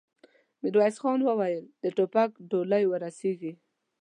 ميرويس خان وويل: د ټوپک ډولۍ ور رسېږي؟